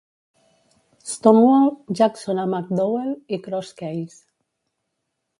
"Stonewall" Jackson a McDowell i Cross Keys.